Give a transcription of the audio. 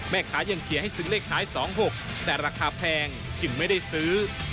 แม่ค้ายังเชียร์ให้ซื้อเลขท้าย๒๖แต่ราคาแพงจึงไม่ได้ซื้อ